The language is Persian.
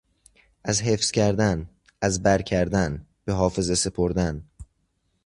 از حفظ کردن، از بر کردن، به حافظه سپردن